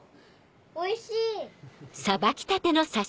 おいしい！